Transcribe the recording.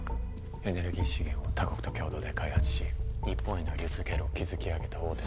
エネルギー資源を他国と共同で開発し日本への流通経路を築き上げた大手です